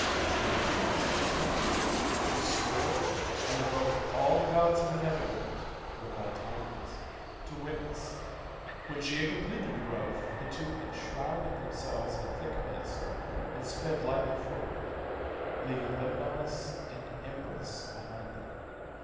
Juno did as he had said. She swore, and invoked all the gods of the nether world, who are called Titans, to witness. When she had completed her oath, the two enshrouded themselves in a thick mist and sped lightly forward, leaving Lemnos and Imbrus behind them.